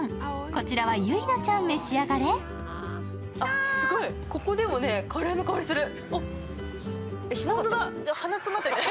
こちらはゆいなちゃん、召し上がれすごい、ここでもカレーの香りする。